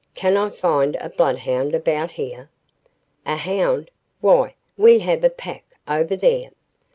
"Can I find a bloodhound about here?" "A hound? Why, we have a pack over there."